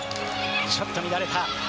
ちょっと乱れた。